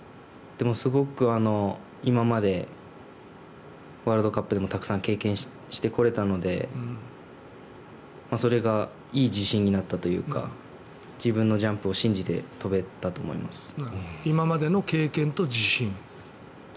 でもすごく、今までワールドカップでもたくさん経験してこれたのでそれがいい自信になったというか自分のジャンプを信じて飛べたと思います。